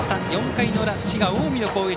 ４回の裏、滋賀・近江の攻撃。